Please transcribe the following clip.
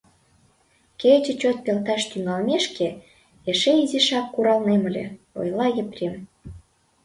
— Кече чот пелташ тӱҥалмешке, эше изишак куралнем ыле, — ойла Епрем.